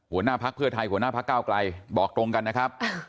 หัวหน้าพักเพื่อไทยหัวหน้าพักเก้าไกลบอกตรงกันนะครับ